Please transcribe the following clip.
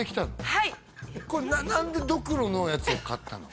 はいこれ何でドクロのやつを買ったの？